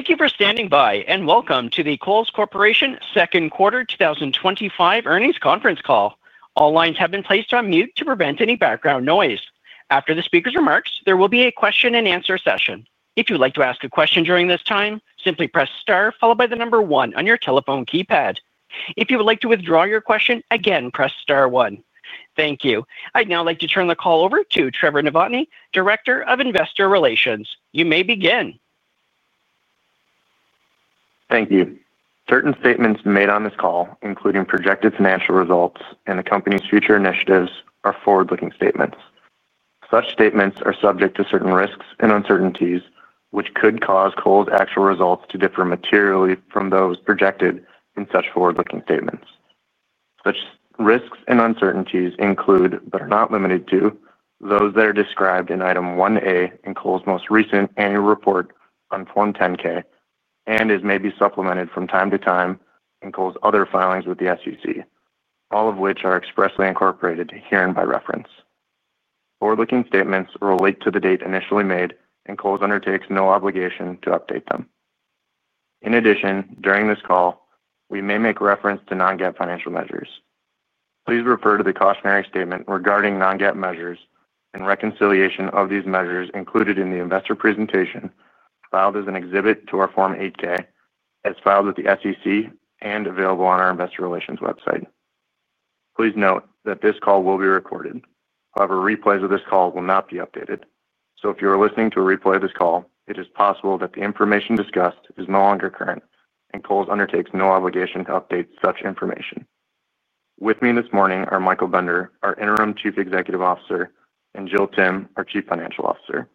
Thank you for standing by and welcome to the Kohl's Corporation Second Quarter 2025 Earnings Conference Call. All lines have been placed on mute to prevent any background noise. After the speaker's remarks, there will be a question and answer session. If you would like to ask a question during this time, simply press star followed by the number one on your telephone keypad. If you would like to withdraw your question, again press star one. Thank you. I'd now like to turn the call over to Trevor Novotny, Director of Investor Relations. You may begin. Thank you. Certain statements made on this call, including projected financial results and the company's future initiatives, are forward-looking statements. Such statements are subject to certain risks and uncertainties, which could cause Kohl's actual results to differ materially from those projected in such forward-looking statements. Such risks and uncertainties include, but are not limited to, those that are described in Item 1A in Kohl's most recent annual report on Form 10-K and may be supplemented from time to time in Kohl's other filings with the SEC, all of which are expressly incorporated herein by reference. Forward-looking statements relate to the date initially made, and Kohl's undertakes no obligation to update them. In addition, during this call, we may make reference to non-GAAP financial measures. Please refer to the cautionary statement regarding non-GAAP measures and reconciliation of these measures included in the investor presentation filed as an exhibit to our Form 8-K, as filed with the SEC and available on our Investor Relations website. Please note that this call will be recorded. However, replays of this call will not be updated. If you are listening to a replay of this call, it is possible that the information discussed is no longer current, and Kohl's undertakes no obligation to update such information. With me this morning are Michael Bender, our Interim Chief Executive Officer, and Jill Timm, our Chief Financial Officer.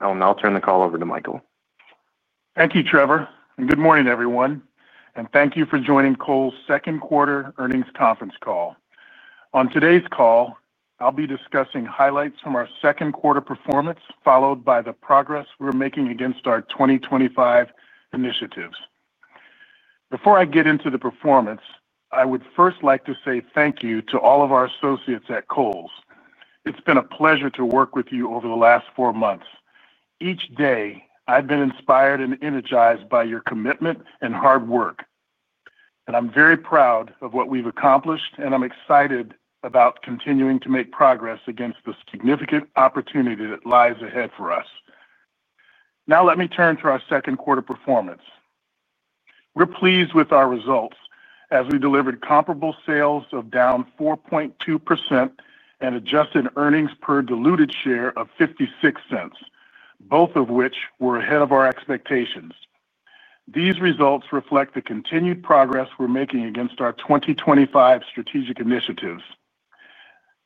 I will now turn the call over to Michael. Thank you, Trevor, and good morning, everyone, and thank you for joining Kohl's Second Quarter Earnings Conference Call. On today's call, I'll be discussing highlights from our second quarter performance, followed by the progress we're making against our 2025 initiatives. Before I get into the performance, I would first like to say thank you to all of our associates at Kohl's. It's been a pleasure to work with you over the last four months. Each day, I've been inspired and energized by your commitment and hard work. I'm very proud of what we've accomplished, and I'm excited about continuing to make progress against the significant opportunity that lies ahead for us. Now let me turn to our second quarter performance. We're pleased with our results as we delivered comparable sales of down 4.2% and adjusted earnings per diluted share of $0.56, both of which were ahead of our expectations. These results reflect the continued progress we're making against our 2025 strategic initiatives.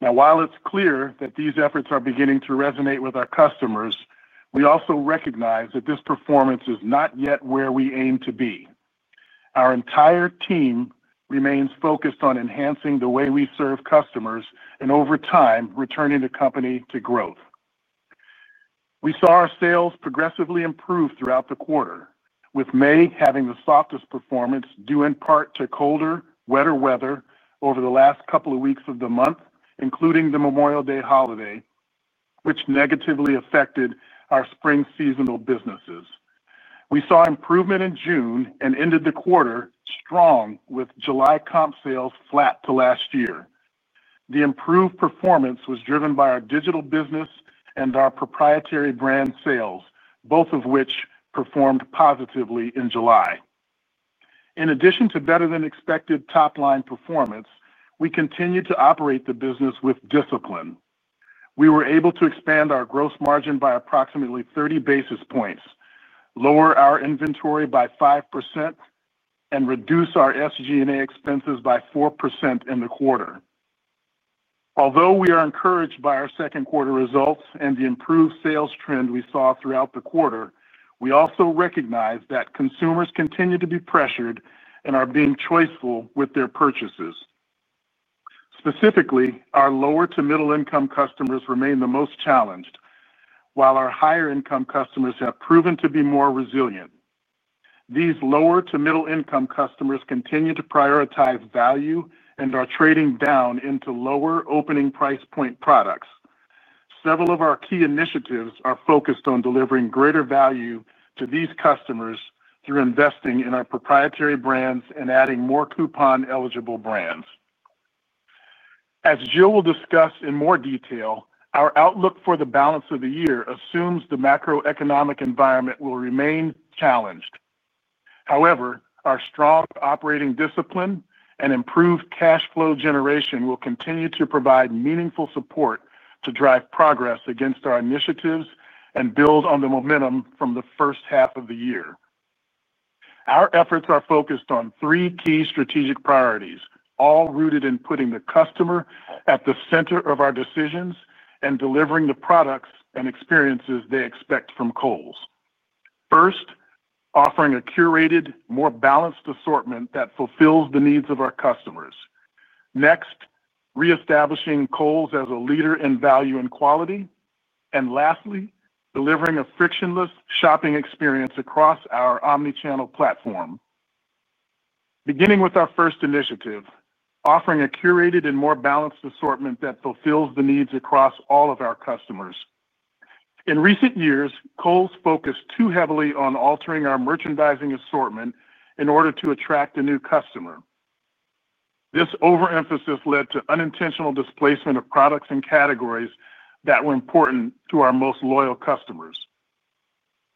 While it's clear that these efforts are beginning to resonate with our customers, we also recognize that this performance is not yet where we aim to be. Our entire team remains focused on enhancing the way we serve customers and, over time, returning the company to growth. We saw our sales progressively improve throughout the quarter, with May having the softest performance due in part to colder, wetter weather over the last couple of weeks of the month, including the Memorial Day holiday, which negatively affected our spring seasonal businesses. We saw improvement in June and ended the quarter strong, with July comp sales flat to last year. The improved performance was driven by our digital business and our proprietary brand sales, both of which performed positively in July. In addition to better-than-expected top-line performance, we continue to operate the business with discipline. We were able to expand our gross margin by approximately 30 basis points, lower our inventory by 5%, and reduce our SG&A expenses by 4% in the quarter. Although we are encouraged by our second quarter results and the improved sales trend we saw throughout the quarter, we also recognize that consumers continue to be pressured and are being choiceful with their purchases. Specifically, our lower to middle-income customers remain the most challenged, while our higher-income customers have proven to be more resilient. These lower to middle-income customers continue to prioritize value and are trading down into lower opening price point products. Several of our key initiatives are focused on delivering greater value to these customers through investing in our proprietary brands and adding more coupon-eligible brands. As Jill will discuss in more detail, our outlook for the balance of the year assumes the macroeconomic environment will remain challenged. However, our strong operating discipline and improved cash flow generation will continue to provide meaningful support to drive progress against our initiatives and build on the momentum from the first half of the year. Our efforts are focused on three key strategic priorities, all rooted in putting the customer at the center of our decisions and delivering the products and experiences they expect from Kohl's. First, offering a curated, more balanced assortment that fulfills the needs of our customers. Next, reestablishing Kohl's as a leader in value and quality. Lastly, delivering a frictionless shopping experience across our omnichannel platform. Beginning with our first initiative, offering a curated and more balanced assortment that fulfills the needs across all of our customers. In recent years, Kohl's focused too heavily on altering our merchandising assortment in order to attract a new customer. This overemphasis led to unintentional displacement of products and categories that were important to our most loyal customers.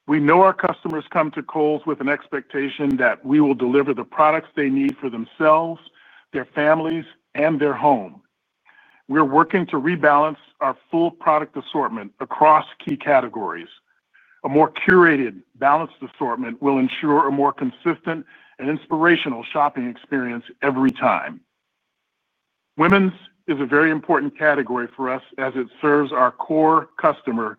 We know our customers come to Kohl's with an expectation that we will deliver the products they need for themselves, their families, and their home. We're working to rebalance our full product assortment across key categories. A more curated, balanced assortment will ensure a more consistent and inspirational shopping experience every time. Women's is a very important category for us as it serves our core customer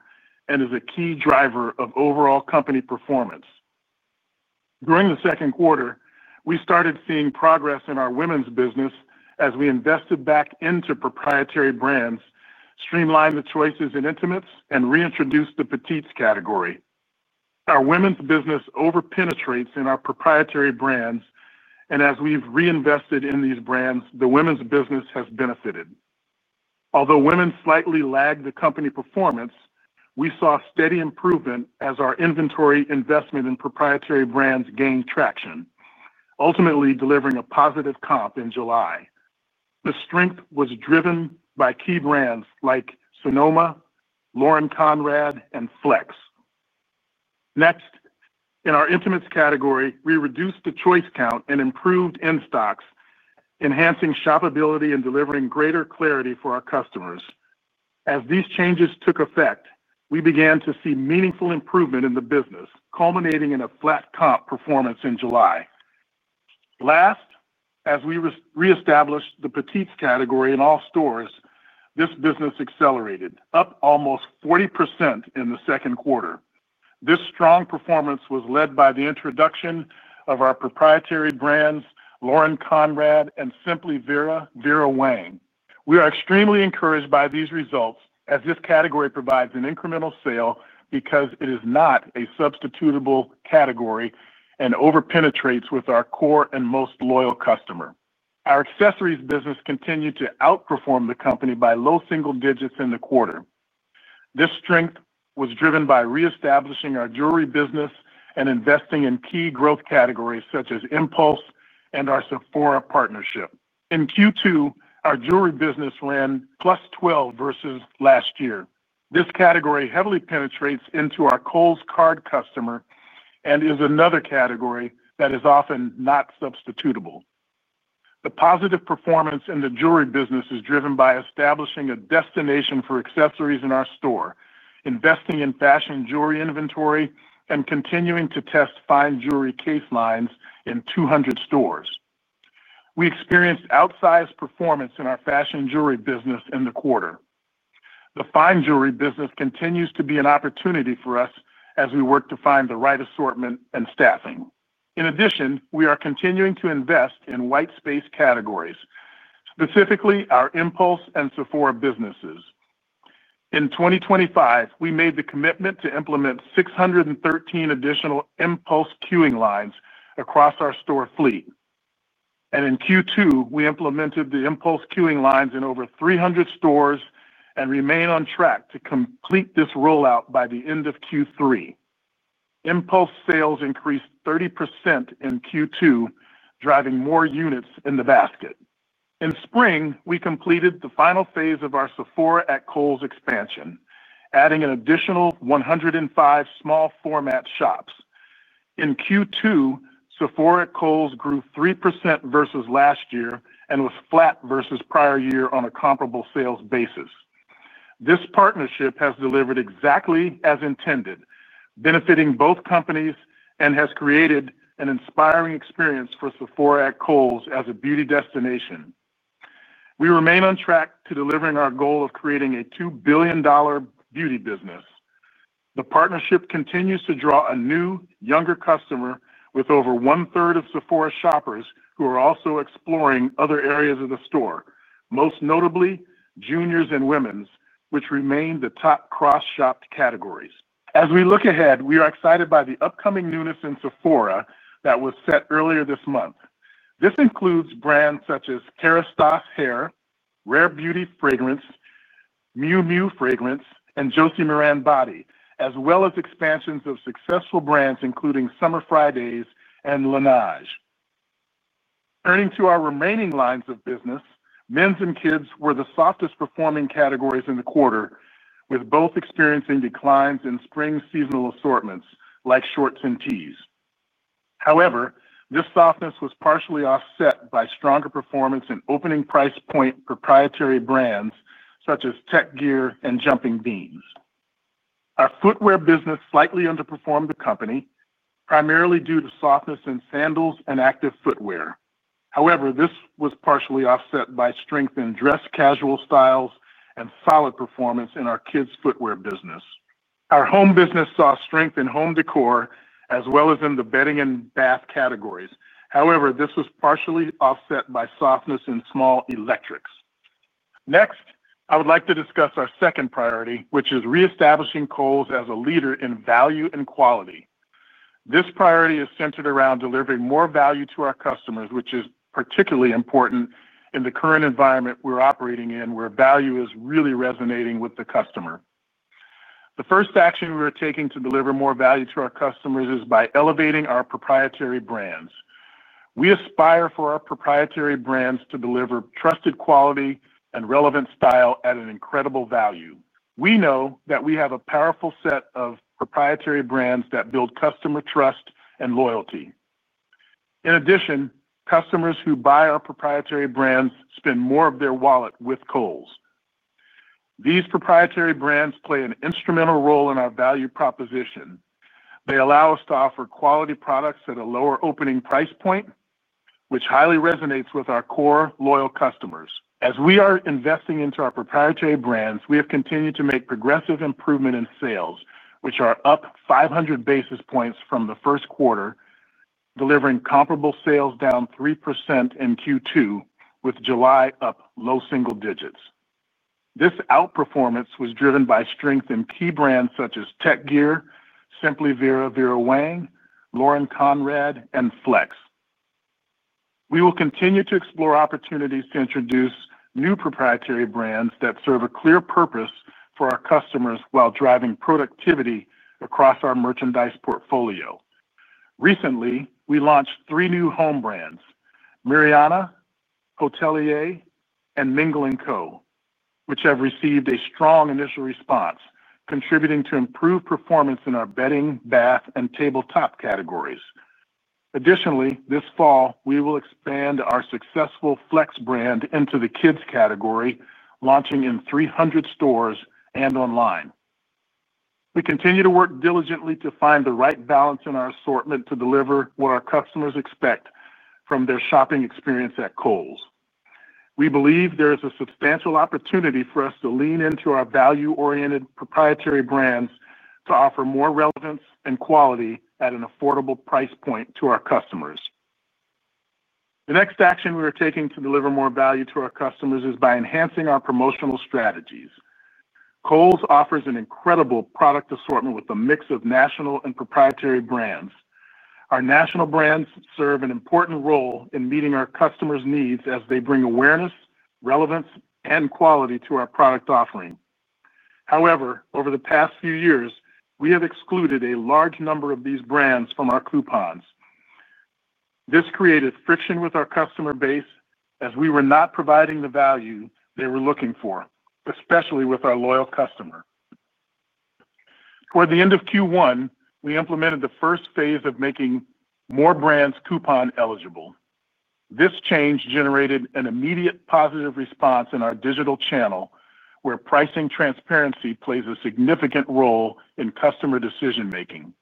and is a key driver of overall company performance. During the second quarter, we started seeing progress in our women's business as we invested back into proprietary brands, streamlined the choices in intimates, and reintroduced the petites category. Our women's business overpenetrates in our proprietary brands, and as we've reinvested in these brands, the women's business has benefited. Although women slightly lagged the company performance, we saw steady improvement as our inventory investment in proprietary brands gained traction, ultimately delivering a positive comp in July. The strength was driven by key brands like Sonoma, Lauren Conrad, and Flex. Next, in our intimates category, we reduced the choice count and improved in stocks, enhancing shoppability and delivering greater clarity for our customers. As these changes took effect, we began to see meaningful improvement in the business, culminating in a flat comp performance in July. Last, as we reestablished the petites category in all stores, this business accelerated, up almost 40% in the second quarter. This strong performance was led by the introduction of our proprietary brands, Lauren Conrad, and Simply Vera Vera Wang. We are extremely encouraged by these results as this category provides an incremental sale because it is not a substitutable category and overpenetrates with our core and most loyal customer. Our accessories business continued to outperform the company by low single digits in the quarter. This strength was driven by reestablishing our jewelry business and investing in key growth categories such as Impulse and our Sephora partnership. In Q2, our jewelry business ran plus 12% versus last year. This category heavily penetrates into our Kohl's card customer and is another category that is often not substitutable. The positive performance in the jewelry business is driven by establishing a destination for accessories in our store, investing in fashion jewelry inventory, and continuing to test fine jewelry case lines in 200 stores. We experienced outsized performance in our fashion jewelry business in the quarter. The fine jewelry business continues to be an opportunity for us as we work to find the right assortment and staffing. In addition, we are continuing to invest in white space categories, specifically our Impulse and Sephora businesses. In 2025, we made the commitment to implement 613 additional Impulse queuing lines across our store fleet. In Q2, we implemented the Impulse queuing lines in over 300 stores and remain on track to complete this rollout by the end of Q3. Impulse sales increased 30% in Q2, driving more units in the basket. In spring, we completed the final phase of our Sephora at Kohl's expansion, adding an additional 105 small format shops. In Q2, Sephora at Kohl's grew 3% versus last year and was flat versus prior year on a comparable sales basis. This partnership has delivered exactly as intended, benefiting both companies, and has created an inspiring experience for Sephora at Kohl's as a beauty destination. We remain on track to delivering our goal of creating a $2 billion beauty business. The partnership continues to draw a new, younger customer with over one-third of Sephora shoppers who are also exploring other areas of the store, most notably juniors and women's, which remain the top cross-shopped categories. As we look ahead, we are excited by the upcoming newness in Sephora that was set earlier this month. This includes brands such as Kérastase Hair, Rare Beauty Fragrance, Miu Miu Fragrance, and Josie Maran Body, as well as expansions of successful brands including Summer Fridays and LANEIGE. Turning to our remaining lines of business, men's and kids were the softest performing categories in the quarter, with both experiencing declines in spring seasonal assortments like shorts and tees. However, this softness was partially offset by stronger performance in opening price point proprietary brands such as Tech Gear and Jumping Beans. Our footwear business slightly underperformed the company, primarily due to softness in sandals and active footwear. However, this was partially offset by strength in dress casual styles and solid performance in our kids' footwear business. Our home business saw strength in home decor as well as in the bedding and bath categories. However, this was partially offset by softness in small electrics. Next, I would like to discuss our second priority, which is reestablishing Kohl's as a leader in value and quality. This priority is centered around delivering more value to our customers, which is particularly important in the current environment we're operating in, where value is really resonating with the customer. The first action we are taking to deliver more value to our customers is by elevating our proprietary brands. We aspire for our proprietary brands to deliver trusted quality and relevant style at an incredible value. We know that we have a powerful set of proprietary brands that build customer trust and loyalty. In addition, customers who buy our proprietary brands spend more of their wallet with Kohl's. These proprietary brands play an instrumental role in our value proposition. They allow us to offer quality products at a lower opening price point, which highly resonates with our core loyal customers. As we are investing into our proprietary brands, we have continued to make progressive improvement in sales, which are up 500 basis points from the first quarter, delivering comparable sales down 3% in Q2, with July up low single digits. This outperformance was driven by strength in key brands such as Tech Gear, Simply Vera Vera Wang, Lauren Conrad, and Flex. We will continue to explore opportunities to introduce new proprietary brands that serve a clear purpose for our customers while driving productivity across our merchandise portfolio. Recently, we launched three new home brands: Mariana, Hotelier, and Mingle & Co., which have received a strong initial response, contributing to improved performance in our bedding, bath, and tabletop categories. Additionally, this fall, we will expand our successful Flex brand into the kids' category, launching in 300 stores and online. We continue to work diligently to find the right balance in our assortment to deliver what our customers expect from their shopping experience at Kohl's. We believe there is a substantial opportunity for us to lean into our value-oriented proprietary brands to offer more relevance and quality at an affordable price point to our customers. The next action we are taking to deliver more value to our customers is by enhancing our promotional strategies. Kohl's offers an incredible product assortment with a mix of national and proprietary brands. Our national brands serve an important role in meeting our customers' needs as they bring awareness, relevance, and quality to our product offering. However, over the past few years, we have excluded a large number of these brands from our coupons. This created friction with our customer base as we were not providing the value they were looking for, especially with our loyal customer. Toward the end of Q1, we implemented the first phase of making more brands coupon-eligible. This change generated an immediate positive response in our digital channel, where pricing transparency plays a significant role in customer decision-making.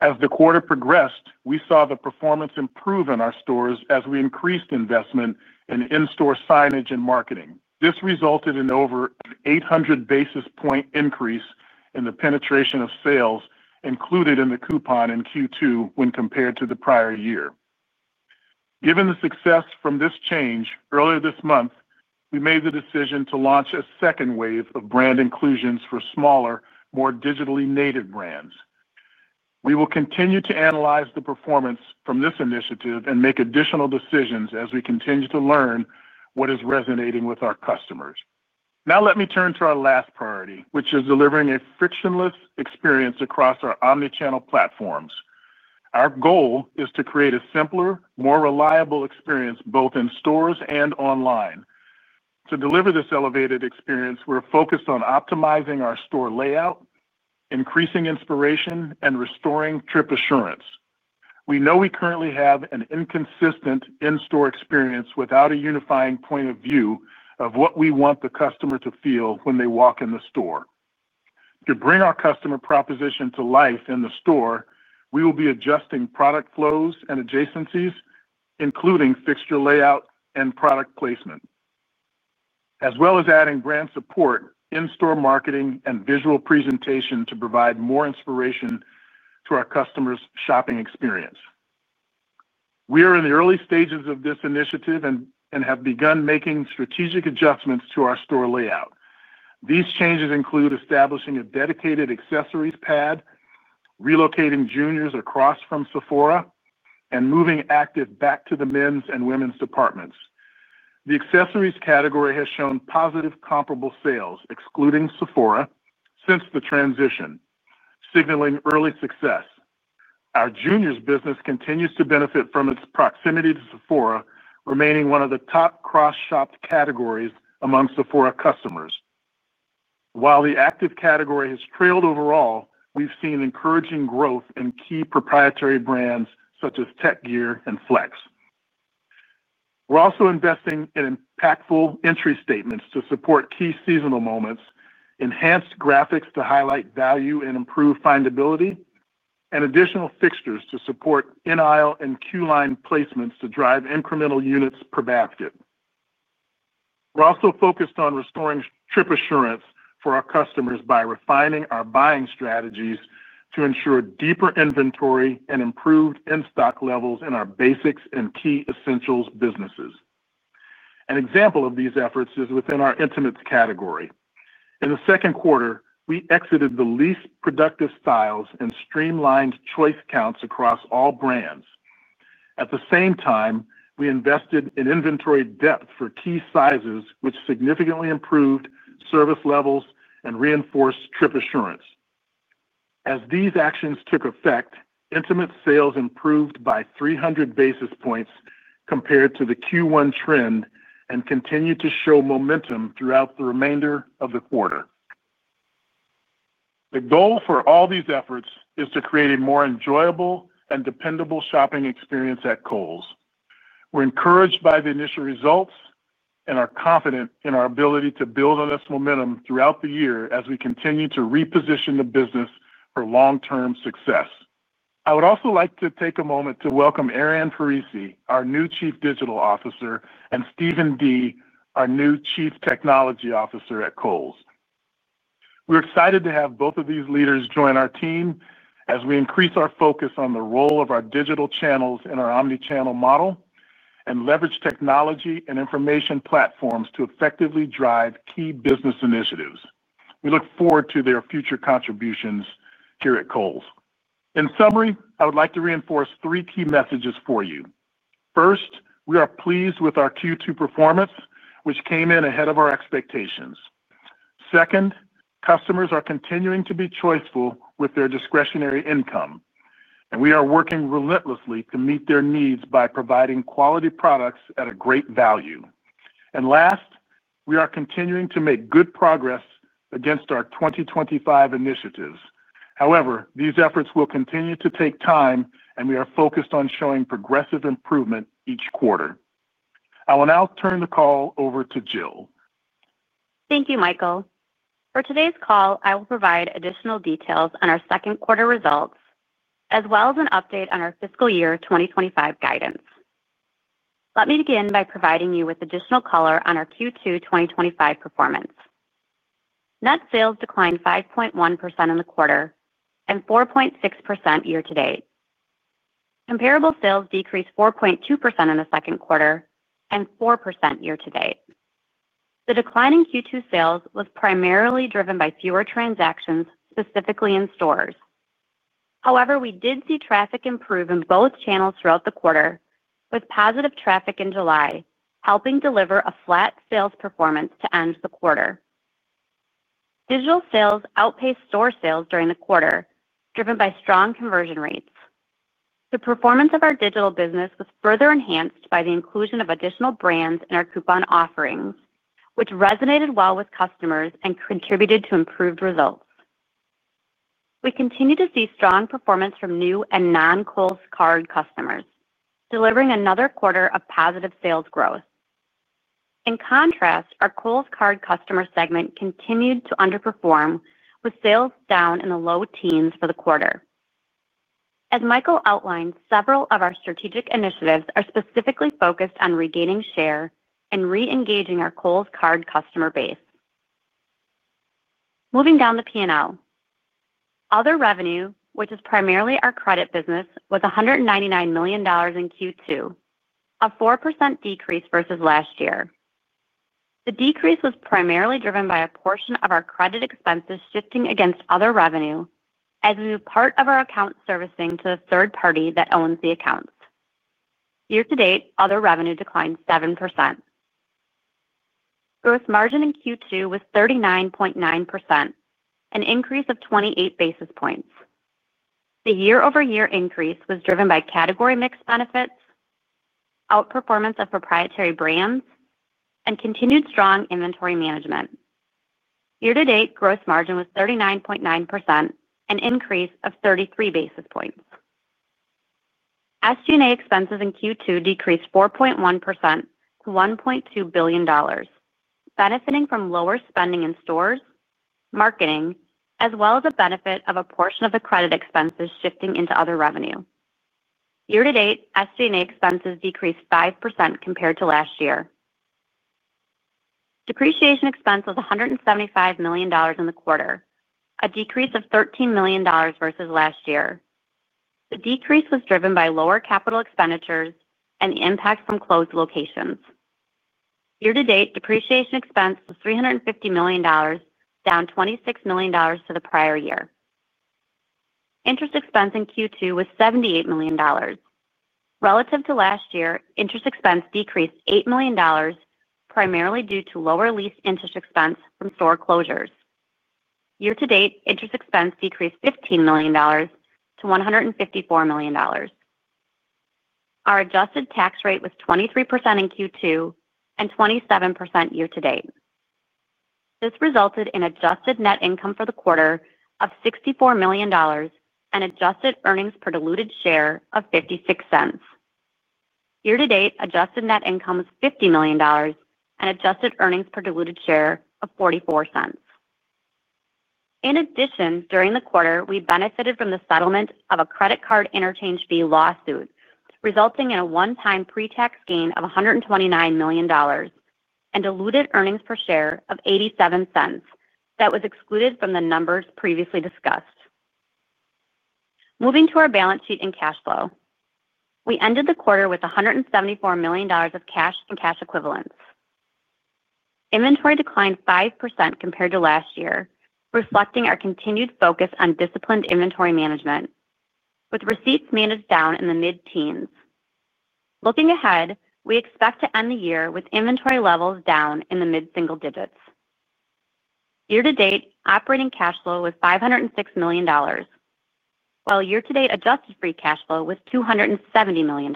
As the quarter progressed, we saw the performance improve in our stores as we increased investment in in-store signage and marketing. This resulted in over an 800 basis point increase in the penetration of sales included in the coupon in Q2 when compared to the prior year. Given the success from this change earlier this month, we made the decision to launch a second wave of brand inclusions for smaller, more digitally native brands. We will continue to analyze the performance from this initiative and make additional decisions as we continue to learn what is resonating with our customers. Now let me turn to our last priority, which is delivering a frictionless experience across our omnichannel platforms. Our goal is to create a simpler, more reliable experience both in stores and online. To deliver this elevated experience, we're focused on optimizing our store layout, increasing inspiration, and restoring trip assurance. We know we currently have an inconsistent in-store experience without a unifying point of view of what we want the customer to feel when they walk in the store. To bring our customer proposition to life in the store, we will be adjusting product flows and adjacencies, including fixture layout and product placement, as well as adding brand support, in-store marketing, and visual presentation to provide more inspiration to our customers' shopping experience. We are in the early stages of this initiative and have begun making strategic adjustments to our store layout. These changes include establishing a dedicated accessories pad, relocating juniors across from Sephora, and moving active back to the men's and women's departments. The accessories category has shown positive comparable sales, excluding Sephora, since the transition, signaling early success. Our juniors' business continues to benefit from its proximity to Sephora, remaining one of the top cross-shopped categories among Sephora customers. While the active category has trailed overall, we've seen encouraging growth in key proprietary brands such as Tech Gear and Flex. We're also investing in impactful entry statements to support key seasonal moments, enhanced graphics to highlight value and improve findability, and additional fixtures to support in aisle and queue line placements to drive incremental units per basket. We're also focused on restoring trip assurance for our customers by refining our buying strategies to ensure deeper inventory and improved in-stock levels in our basics and key essentials businesses. An example of these efforts is within our intimates category. In the second quarter, we exited the least productive styles and streamlined choice counts across all brands. At the same time, we invested in inventory depth for key sizes, which significantly improved service levels and reinforced trip assurance. As these actions took effect, intimate sales improved by 300 basis points compared to the Q1 trend and continued to show momentum throughout the remainder of the quarter. The goal for all these efforts is to create a more enjoyable and dependable shopping experience at Kohl's. We're encouraged by the initial results and are confident in our ability to build on this momentum throughout the year as we continue to reposition the business for long-term success. I would also like to take a moment to welcome Arianne Parisi, our new Chief Digital Officer, and Stephen Dee, our new Chief Technology Officer at Kohl's. We're excited to have both of these leaders join our team as we increase our focus on the role of our digital channels in our omnichannel model and leverage technology and information platforms to effectively drive key business initiatives. We look forward to their future contributions here at Kohl's. In summary, I would like to reinforce three key messages for you. First, we are pleased with our Q2 performance, which came in ahead of our expectations. Second, customers are continuing to be choiceful with their discretionary income, and we are working relentlessly to meet their needs by providing quality products at a great value. Last, we are continuing to make good progress against our 2025 initiatives. However, these efforts will continue to take time, and we are focused on showing progressive improvement each quarter. I will now turn the call over to Jill. Thank you, Michael. For today's call, I will provide additional details on our second quarter results, as well as an update on our fiscal year 2025 guidance. Let me begin by providing you with additional color on our Q2 2025 performance. Net sales declined 5.1% in the quarter and 4.6% year to date. Comparable sales decreased 4.2% in the second quarter and 4% year to date. The decline in Q2 sales was primarily driven by fewer transactions, specifically in stores. However, we did see traffic improve in both channels throughout the quarter, with positive traffic in July helping deliver a flat sales performance to end the quarter. Digital sales outpaced store sales during the quarter, driven by strong conversion rates. The performance of our digital business was further enhanced by the inclusion of additional brands in our coupon offerings, which resonated well with customers and contributed to improved results. We continue to see strong performance from new and non-Kohl's card customers, delivering another quarter of positive sales growth. In contrast, our Kohl's card customer segment continued to underperform, with sales down in the low teens for the quarter. As Michael outlined, several of our strategic initiatives are specifically focused on regaining share and re-engaging our Kohl's card customer base. Moving down the P&L, other revenue, which is primarily our credit business, was $199 million in Q2, a 4% decrease versus last year. The decrease was primarily driven by a portion of our credit expenses shifting against other revenue, as we were part of our account servicing to the third party that owns the accounts. Year-to-date, other revenue declined 7%. Gross margin in Q2 was 39.9%, an increase of 28 basis points. The year-over-year increase was driven by category mix benefits, outperformance of proprietary brands, and continued strong inventory management. Year-to-date, gross margin was 39.9%, an increase of 33 basis points. SG&A expenses in Q2 decreased 4.1% to $1.2 billion, benefiting from lower spending in stores, marketing, as well as a benefit of a portion of the credit expenses shifting into other revenue. Year to date, SG&A expenses decreased 5% compared to last year. Depreciation expense was $175 million in the quarter, a decrease of $13 million versus last year. The decrease was driven by lower capital expenditures and the impact from closed locations. Year to date, depreciation expense was $350 million, down $26 million to the prior year. Interest expense in Q2 was $78 million. Relative to last year, interest expense decreased $8 million, primarily due to lower lease interest expense from store closures. Year-to-date, interest expense decreased $15 million to $154 million. Our adjusted tax rate was 23% in Q2 and 27% year to date. This resulted in adjusted net income for the quarter of $64 million and adjusted earnings per diluted share of $0.56. Year-to-date, adjusted net income was $50 million and adjusted earnings per diluted share of $0.44. In addition, during the quarter, we benefited from the settlement of a credit card interchange fee lawsuit, resulting in a one-time pre-tax gain of $129 million and diluted earnings per share of $0.87 that was excluded from the numbers previously discussed. Moving to our balance sheet and cash flow, we ended the quarter with $174 million of cash and cash equivalents. Inventory declined 5% compared to last year, reflecting our continued focus on disciplined inventory management, with receipts managed down in the mid-teens. Looking ahead, we expect to end the year with inventory levels down in the mid-single digits. Year-to-date, operating cash flow was $506 million, while year to date adjusted free cash flow was $270 million.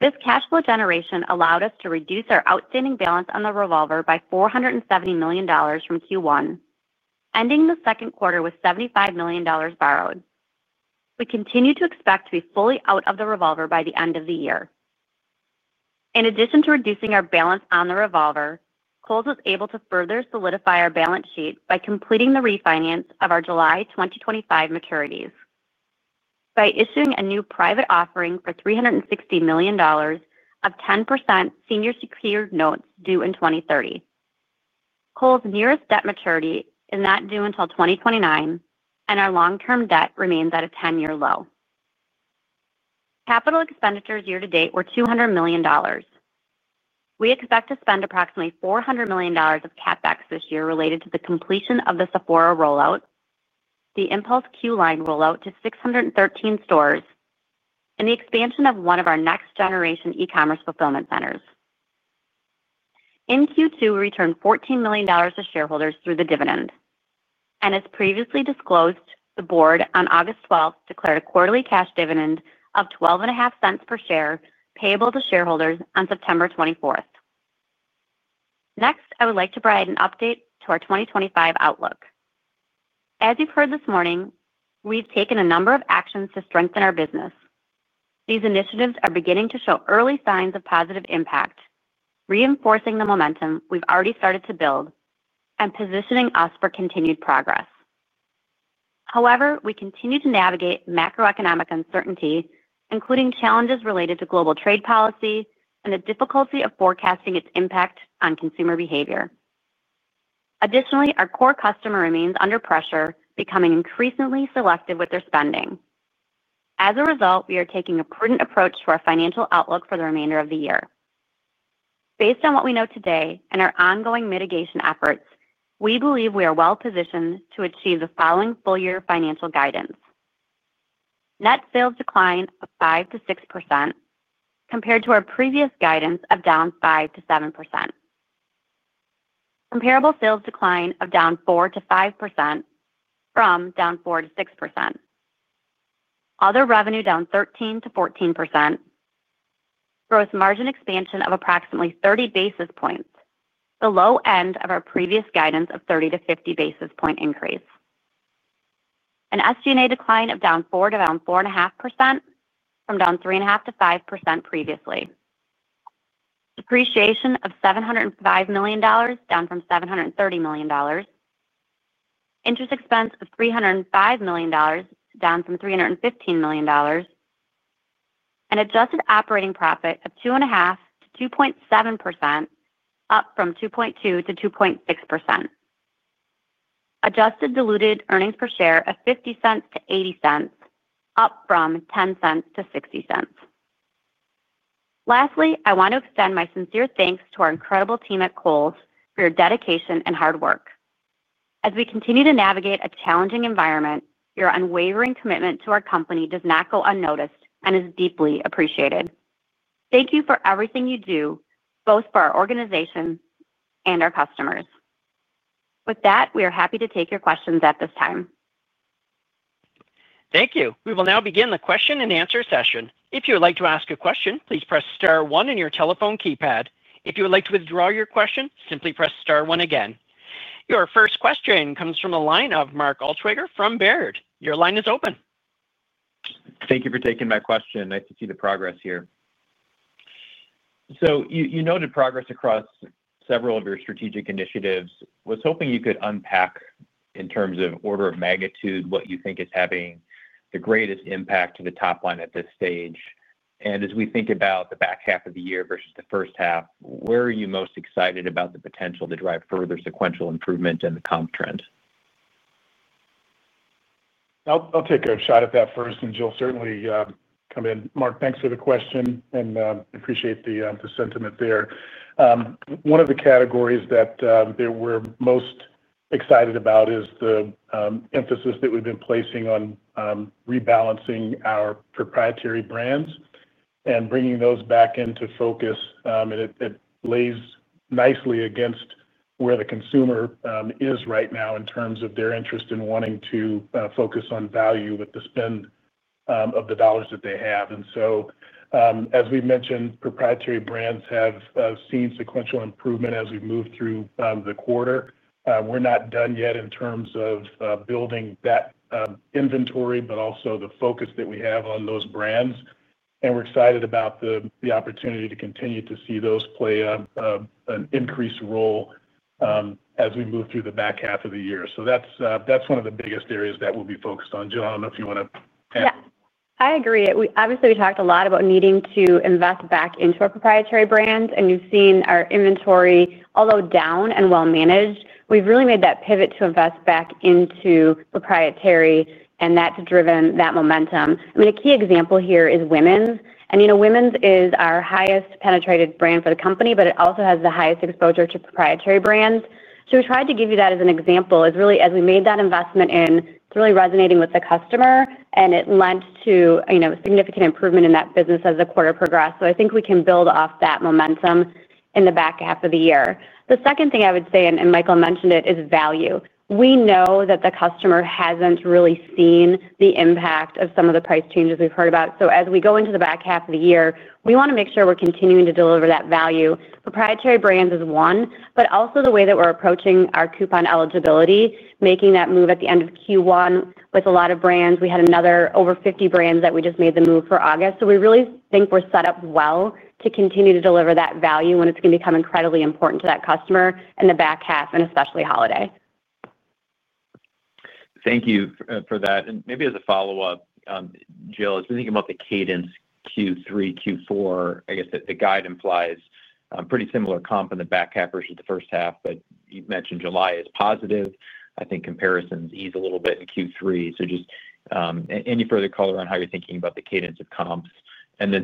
This cash flow generation allowed us to reduce our outstanding balance on the revolver by $470 million from Q1, ending the second quarter with $75 million borrowed. We continue to expect to be fully out of the revolver by the end of the year. In addition to reducing our balance on the revolver, Kohl's was able to further solidify our balance sheet by completing the refinance of our July 2025 maturities by issuing a new private offering for $360 million of 10% senior-secured notes due in 2030. Kohl's nearest debt maturity is not due until 2029, and our long-term debt remains at a 10-year low. Capital expenditures year to date were $200 million. We expect to spend approximately $400 million of CapEx this year related to the completion of the Sephora rollout, the Impulse queue line rollout to 613 stores, and the expansion of one of our next-generation e-commerce fulfillment centers. In Q2, we returned $14 million to shareholders through the dividend. As previously disclosed, the board on August 12th declared a quarterly cash dividend of $0.125 per share payable to shareholders on September 24th. Next, I would like to provide an update to our 2025 outlook. As you've heard this morning, we've taken a number of actions to strengthen our business. These initiatives are beginning to show early signs of positive impact, reinforcing the momentum we've already started to build and positioning us for continued progress. However, we continue to navigate macroeconomic uncertainty, including challenges related to global trade policy and the difficulty of forecasting its impact on consumer behavior. Additionally, our core customer remains under pressure, becoming increasingly selective with their spending. As a result, we are taking a prudent approach to our financial outlook for the remainder of the year. Based on what we know today and our ongoing mitigation efforts, we believe we are well positioned to achieve the following full-year financial guidance: net sales decline of 5%-6% compared to our previous guidance of down 5%-7%, comparable sales decline of down 4%-5% from down 4%-6%, other revenue down 13%-14%, gross margin expansion of approximately 30 basis points, the low end of our previous guidance of 30 basis points-50 basis point increase, an SG&A decline of down 4% to down 4.5% from down 3.5%-5% previously, depreciation of $705 million down from $730 million, interest expense of $305 million down from $315 million, an adjusted operating profit of 2.5%-2.7%, up from 2.2%-2.6%, adjusted diluted earnings per share of $0.50-$0.80, up from $0.10-$0.60. Lastly, I want to extend my sincere thanks to our incredible team at Kohl's for your dedication and hard work. As we continue to navigate a challenging environment, your unwavering commitment to our company does not go unnoticed and is deeply appreciated. Thank you for everything you do, both for our organization and our customers. With that, we are happy to take your questions at this time. Thank you. We will now begin the question and answer session. If you would like to ask a question, please press star one on your telephone keypad. If you would like to withdraw your question, simply press star one again. Your first question comes from the line of Mark Altschwager from Baird. Your line is open. Thank you for taking my question. Nice to see the progress here. You noted progress across several of your strategic initiatives. I was hoping you could unpack, in terms of order of magnitude, what you think is having the greatest impact to the top line at this stage. As we think about the back half of the year versus the first half, where are you most excited about the potential to drive further sequential improvement in the comp trend? I'll take a shot at that first, and Jill certainly come in. Mark, thanks for the question, and I appreciate the sentiment there. One of the categories that we're most excited about is the emphasis that we've been placing on rebalancing our proprietary brands and bringing those back into focus. It lays nicely against where the consumer is right now in terms of their interest in wanting to focus on value with the spend of the dollars that they have. As we mentioned, proprietary brands have seen sequential improvement as we move through the quarter. We're not done yet in terms of building that inventory, but also the focus that we have on those brands. We're excited about the opportunity to continue to see those play an increased role as we move through the back half of the year. That's one of the biggest areas that we'll be focused on. Jill, I don't know if you want to add. Yeah, I agree. Obviously, we talked a lot about needing to invest back into our proprietary brands, and you've seen our inventory, although down and well managed, we've really made that pivot to invest back into proprietary, and that's driven that momentum. I mean, a key example here is women's. You know women's is our highest penetrated brand for the company, but it also has the highest exposure to proprietary brands. We tried to give you that as an example, really, as we made that investment in, it's really resonating with the customer, and it lent to a significant improvement in that business as the quarter progressed. I think we can build off that momentum in the back half of the year. The second thing I would say, and Michael mentioned it, is value. We know that the customer hasn't really seen the impact of some of the price changes we've heard about. As we go into the back half of the year, we want to make sure we're continuing to deliver that value. Proprietary brands is one, but also the way that we're approaching our coupon eligibility, making that move at the end of Q1 with a lot of brands. We had another over 50 brands that we just made the move for August. We really think we're set up well to continue to deliver that value when it's going to become incredibly important to that customer in the back half and especially holiday. Thank you for that. Maybe as a follow-up, Jill, as we think about the cadence Q3, Q4, I guess the guide implies pretty similar comp in the back half versus the first half, but you mentioned July is positive. I think comparisons ease a little bit in Q3. Just any further color on how you're thinking about the cadence of comps?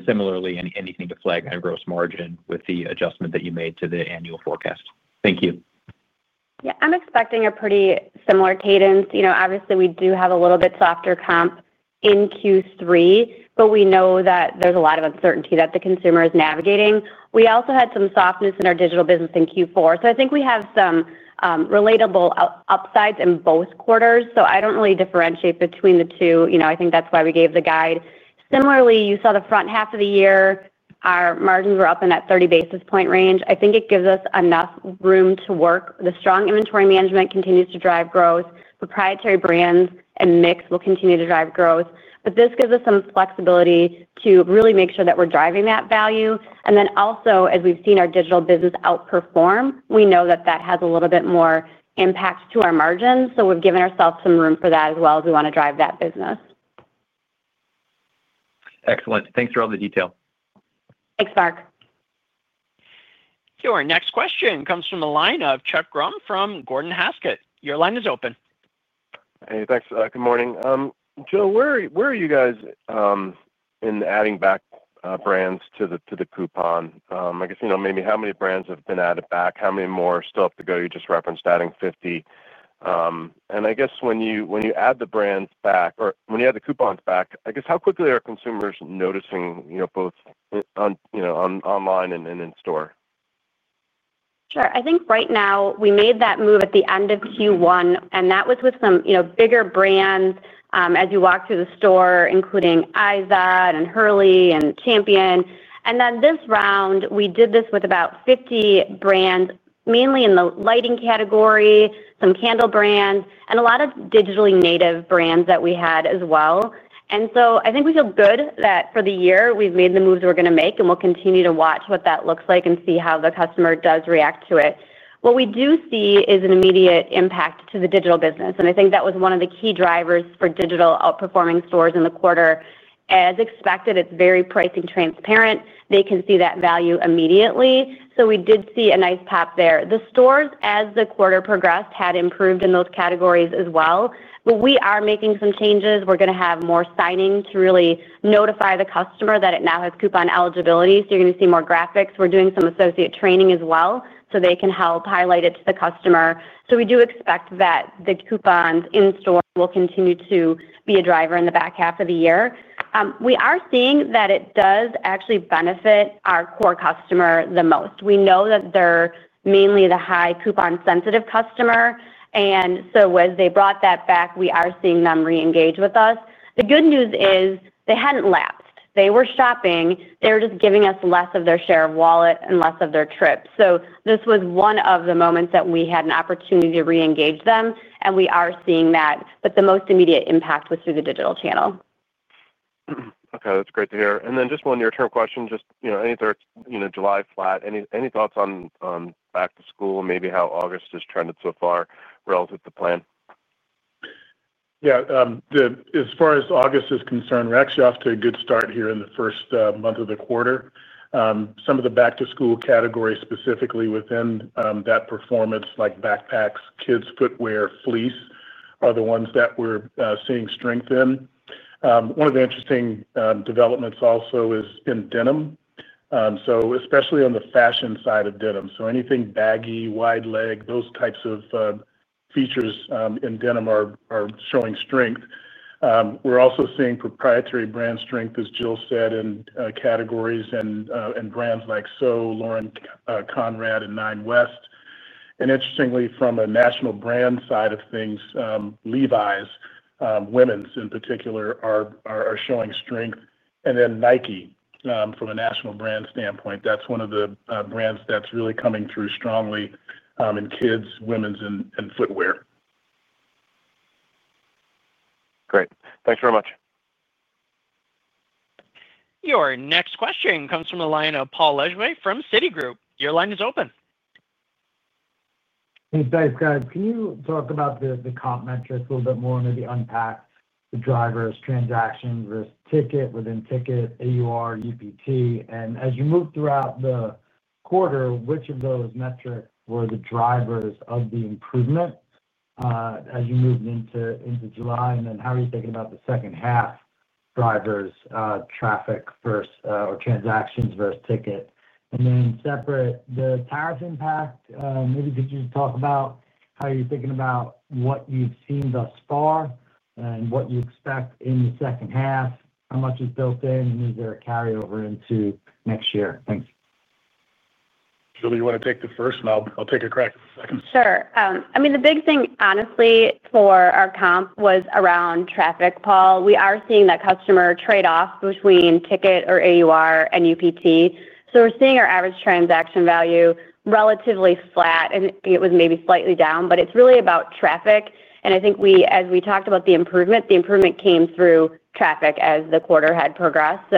Similarly, anything to flag in a gross margin with the adjustment that you made to the annual forecast? Thank you. Yeah, I'm expecting a pretty similar cadence. Obviously, we do have a little bit softer comp in Q3, but we know that there's a lot of uncertainty that the consumer is navigating. We also had some softness in our digital business in Q4. I think we have some relatable upsides in both quarters. I don't really differentiate between the two. I think that's why we gave the guide. Similarly, you saw the front half of the year, our margins were up in that 30 basis point range. I think it gives us enough room to work. The strong inventory management continues to drive growth. Proprietary brands and mix will continue to drive growth. This gives us some flexibility to really make sure that we're driving that value. As we've seen our digital business outperform, we know that that has a little bit more impact to our margins. We've given ourselves some room for that as well as we want to drive that business. Excellent. Thanks for all the detail. Thanks, Mark. Jill, our next question comes from the line of Chuck Grom from Gordon Haskett. Your line is open. Hey, thanks. Good morning. Jill, where are you guys in adding back brands to the coupon? I guess, you know, maybe how many brands have been added back? How many more still have to go? You just referenced adding 50. I guess when you add the brands back, or when you add the coupons back, how quickly are consumers noticing, you know, both online and in-store? Sure. I think right now we made that move at the end of Q1, and that was with some bigger brands as you walk through the store, including IZOD and Hurley and Champion. This round, we did this with about 50 brands, mainly in the lighting category, some candle brands, and a lot of digitally native brands that we had as well. I think we feel good that for the year, we've made the moves we're going to make, and we'll continue to watch what that looks like and see how the customer does react to it. What we do see is an immediate impact to the digital business. I think that was one of the key drivers for digital outperforming stores in the quarter. As expected, it's very pricing transparent. They can see that value immediately. We did see a nice pop there. The stores, as the quarter progressed, had improved in those categories as well. We are making some changes. We're going to have more signing to really notify the customer that it now has coupon eligibility. You're going to see more graphics. We're doing some associate training as well so they can help highlight it to the customer. We do expect that the coupons in-store will continue to be a driver in the back half of the year. We are seeing that it does actually benefit our core customer the most. We know that they're mainly the high coupon-sensitive customer. As they brought that back, we are seeing them re-engage with us. The good news is they hadn't lapsed. They were shopping. They were just giving us less of their share of wallet and less of their trips. This was one of the moments that we had an opportunity to re-engage them. We are seeing that. The most immediate impact was through the digital channel. Okay, that's great to hear. Just one near-term question. Any other July flat? Any thoughts on back to school and maybe how August has trended so far relative to plan? Yeah, as far as August is concerned, we're actually off to a good start here in the first month of the quarter. Some of the back-to-school categories, specifically within that performance, like backpacks, kids' footwear, fleece, are the ones that we're seeing strength in. One of the interesting developments also is in denim, especially on the fashion side of denim. Anything baggy, wide-leg, those types of features in denim are showing strength. We're also seeing proprietary brand strength, as Jill said, in categories and brands like SO, Lauren Conrad, and Nine West. Interestingly, from a national brand side of things, Levi's, women's in particular, are showing strength. Nike, from a national brand standpoint, is one of the brands that's really coming through strongly in kids, women's, and footwear. Great, thanks very much. Your next question comes from the line of Paul Lejuez from Citigroup. Your line is open. Thanks, guys. Can you talk about the comp metrics a little bit more? Maybe unpack the drivers, transactions, risk ticket, within ticket, AUR, UPT. As you move throughout the quarter, which of those metrics were the drivers of the improvement as you moved into July? How are you thinking about the second half drivers, traffic versus or transactions versus ticket? Separate, the tax impact, maybe could you talk about how you're thinking about what you've seen thus far and what you expect in the second half, how much is built in, and is there a carryover into next year? Thanks. Jill, do you want to take the first? I'll take a crack. Sure. I mean, the big thing, honestly, for our comp was around traffic, Paul. We are seeing that customer trade-off between ticket or AUR and UPT. We're seeing our average transaction value relatively flat. It was maybe slightly down, but it's really about traffic. As we talked about the improvement, the improvement came through traffic as the quarter had progressed.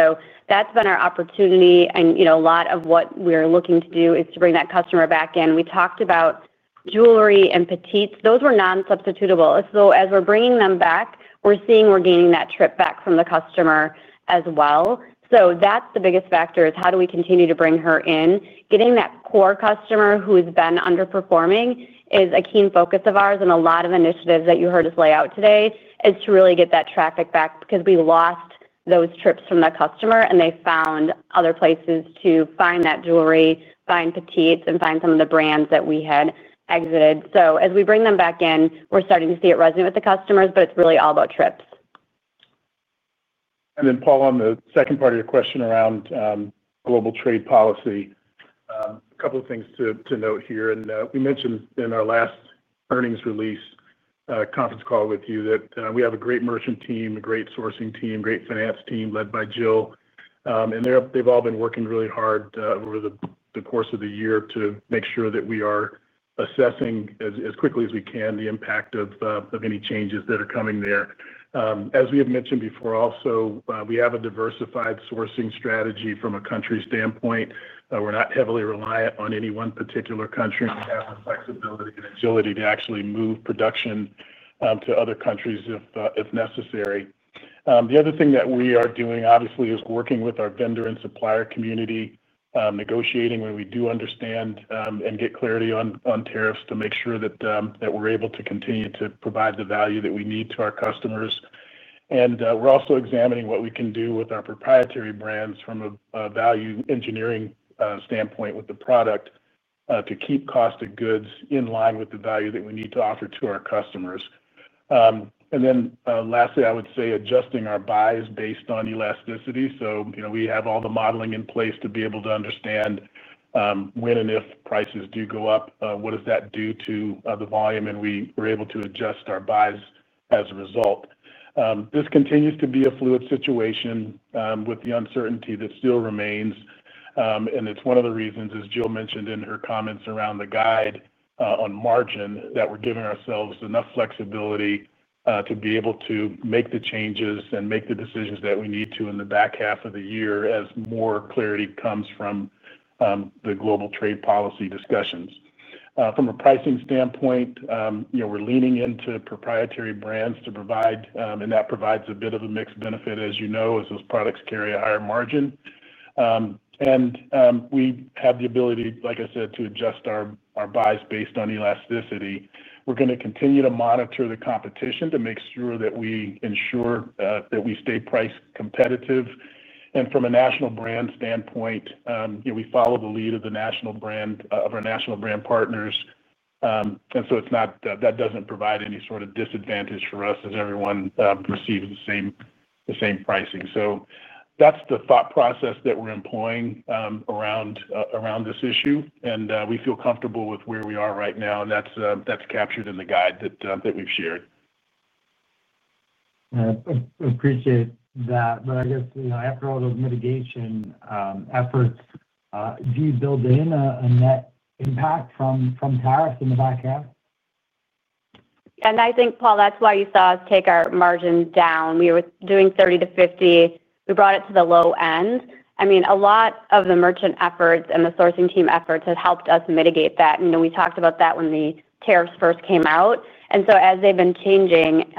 That's been our opportunity. A lot of what we're looking to do is to bring that customer back in. We talked about jewelry and petites. Those were non-substitutable. As we're bringing them back, we're seeing we're gaining that trip back from the customer as well. The biggest factor is how do we continue to bring her in? Getting that core customer who's been underperforming is a keen focus of ours. A lot of initiatives that you heard us lay out today is to really get that traffic back because we lost those trips from that customer, and they found other places to find that jewelry, find petites, and find some of the brands that we had exited. As we bring them back in, we're starting to see it resonate with the customers, but it's really all about trips. Paul, on the second part of your question around global trade policy, a couple of things to note here. We mentioned in our last earnings release conference call with you that we have a great merchant team, a great sourcing team, a great finance team led by Jill. They've all been working really hard over the course of the year to make sure that we are assessing as quickly as we can the impact of any changes that are coming there. As we had mentioned before, we have a diversified sourcing strategy from a country's standpoint. We're not heavily reliant on any one particular country. We have the flexibility and agility to actually move production to other countries if necessary. The other thing that we are doing, obviously, is working with our vendor and supplier community, negotiating when we do understand and get clarity on tariffs to make sure that we're able to continue to provide the value that we need to our customers. We're also examining what we can do with our proprietary brands from a value engineering standpoint with the product to keep cost of goods in line with the value that we need to offer to our customers. Lastly, I would say adjusting our buys based on elasticity. We have all the modeling in place to be able to understand when and if prices do go up, what does that do to the volume? We were able to adjust our buys as a result. This continues to be a fluid situation with the uncertainty that still remains. It's one of the reasons, as Jill mentioned in her comments around the guide on margin, that we're giving ourselves enough flexibility to be able to make the changes and make the decisions that we need to in the back half of the year as more clarity comes from the global trade policy discussions. From a pricing standpoint, we're leaning into proprietary brands to provide, and that provides a bit of a mixed benefit, as you know, as those products carry a higher margin. We have the ability, like I said, to adjust our buys based on elasticity. We're going to continue to monitor the competition to make sure that we ensure that we stay price competitive. From a national brand standpoint, we follow the lead of the national brand of our national brand partners. That doesn't provide any sort of disadvantage for us as everyone receives the same pricing. That's the thought process that we're employing around this issue. We feel comfortable with where we are right now. That's captured in the guide that we've shared. I appreciate that. I guess, you know, after all those mitigation efforts, do you build in a net impact from tariffs in the back end? I think, Paul, that's why you saw us take our margin down. We were doing 30%-50%. We brought it to the low end. A lot of the merchant efforts and the sourcing team efforts have helped us mitigate that. We talked about that when the tariffs first came out. As they've been changing,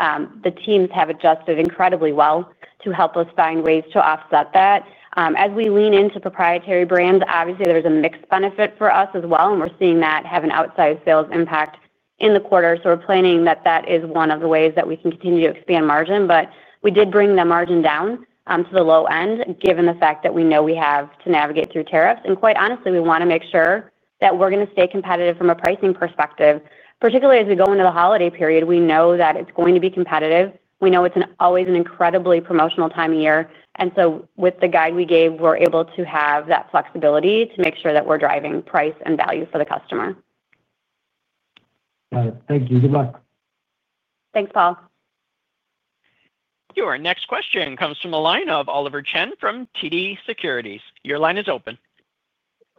the teams have adjusted incredibly well to help us find ways to offset that. As we lean into proprietary brands, obviously, there's a mixed benefit for us as well. We're seeing that have an outsized sales impact in the quarter. We're planning that that is one of the ways that we can continue to expand margin. We did bring the margin down to the low end given the fact that we know we have to navigate through tariffs. Quite honestly, we want to make sure that we're going to stay competitive from a pricing perspective, particularly as we go into the holiday period. We know that it's going to be competitive. We know it's always an incredibly promotional time of year. With the guide we gave, we're able to have that flexibility to make sure that we're driving price and value for the customer. Got it. Thank you. Good luck. Thanks, Paul. Your next question comes from a line of Oliver Chen from TD Securities. Your line is open.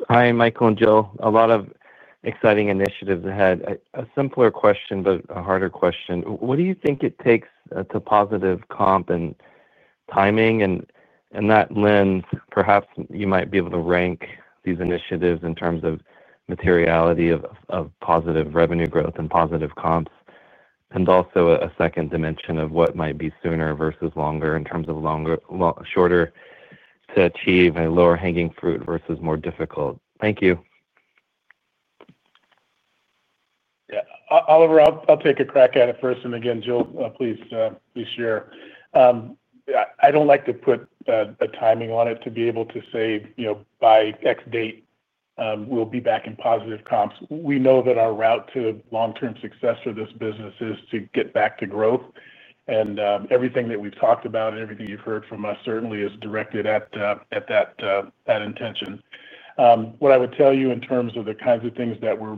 Hi, Michael and Jill. A lot of exciting initiatives ahead. A simpler question, but a harder question. What do you think it takes to positive comp and timing? In that lens, perhaps you might be able to rank these initiatives in terms of materiality of positive revenue growth and positive comps, and also a second dimension of what might be sooner versus longer in terms of shorter to achieve a lower hanging fruit versus more difficult. Thank you. Yeah, Oliver, I'll take a crack at it first. Jill, please share. I don't like to put a timing on it to be able to say, you know, by X date, we'll be back in positive comps. We know that our route to long-term success for this business is to get back to growth. Everything that we've talked about and everything you've heard from us certainly is directed at that intention. What I would tell you in terms of the kinds of things that we're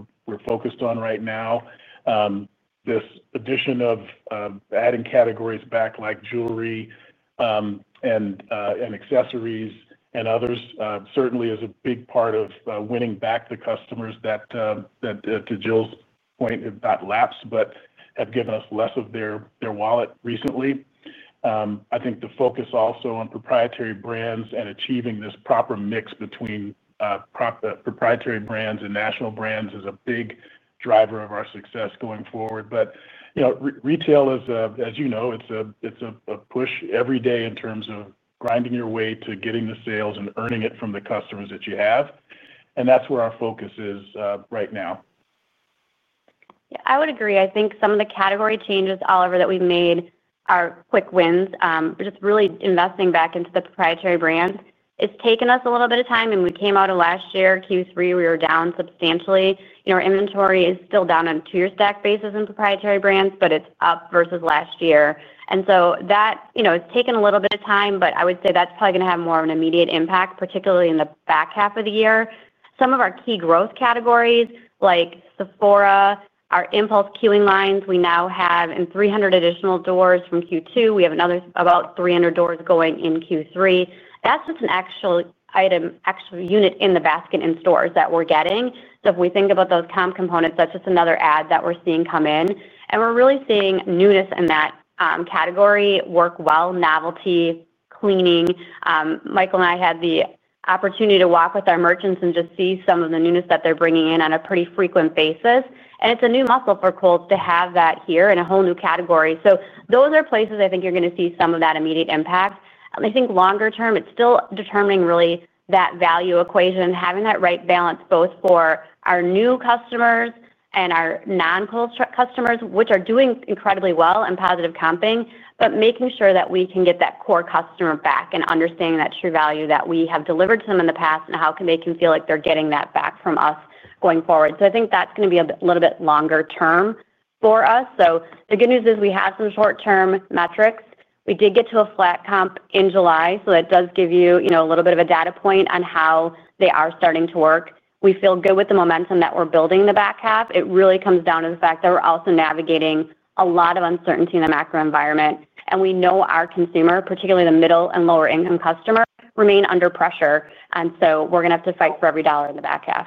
focused on right now, this addition of adding categories back like jewelry and accessories and others certainly is a big part of winning back the customers that, to Jill's point, have not lapsed but have given us less of their wallet recently. I think the focus also on proprietary brands and achieving this proper mix between proprietary brands and national brands is a big driver of our success going forward. You know, retail, as you know, it's a push every day in terms of grinding your way to getting the sales and earning it from the customers that you have. That's where our focus is right now. Yeah, I would agree. I think some of the category changes, Oliver, that we've made are quick wins. We're just really investing back into the proprietary brands. It's taken us a little bit of time. We came out of last year, Q3, we were down substantially. Our inventory is still down on a two-year stack basis in proprietary brands, but it's up versus last year. That has taken a little bit of time, but I would say that's probably going to have more of an immediate impact, particularly in the back half of the year. Some of our key growth categories, like Sephora, our Impulse queuing lines, we now have in 300 additional doors from Q2. We have another about 300 doors going in Q3. That's just an actual item, actual unit in the basket in stores that we're getting. If we think about those components, that's just another add that we're seeing come in. We're really seeing newness in that category work well, novelty, cleaning. Michael and I had the opportunity to walk with our merchants and just see some of the newness that they're bringing in on a pretty frequent basis. It's a new muscle for Kohl's to have that here in a whole new category. Those are places I think you're going to see some of that immediate impact. I think longer term, it's still determining really that value equation, having that right balance both for our new customers and our non-Kohl's customers, which are doing incredibly well and positive comping, but making sure that we can get that core customer back and understanding that true value that we have delivered to them in the past and how they can feel like they're getting that back from us going forward. I think that's going to be a little bit longer term for us. The good news is we have some short-term metrics. We did get to a flat comp in July. That does give you a little bit of a data point on how they are starting to work. We feel good with the momentum that we're building in the back half. It really comes down to the fact that we're also navigating a lot of uncertainty in the macro environment. We know our consumer, particularly the middle and lower-income customer, remains under pressure. We're going to have to fight for every dollar in the back half.